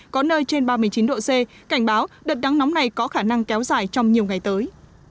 có nơi trên ba mươi chín độ c cảnh báo đợt nắng nóng này có khả năng kéo dài trong nhiều ngày tới